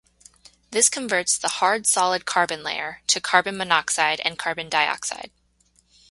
This converts the hard solid carbon layer to carbon monoxide and carbon dioxide.